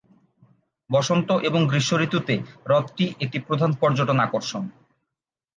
বসন্ত এবং গ্রীষ্ম ঋতুতে হ্রদটি একটি প্রধান পর্যটন আকর্ষণ।